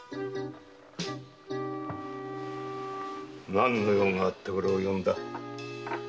何の用があって俺を呼んだ。